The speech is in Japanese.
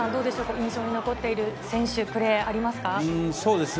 印象に残っている選手、プレー、ありますか？